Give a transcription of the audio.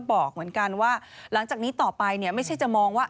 บอกเหมือนกันว่าหลังจากนี้ต่อไปเนี่ยไม่ใช่จะมองว่า